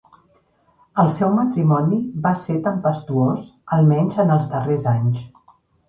El seu matrimoni vas ser tempestuós, almenys en els darrers anys.